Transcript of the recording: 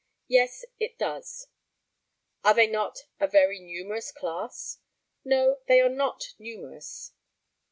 Yes, it does. Are they not a very numerous class? No, they are not numerous.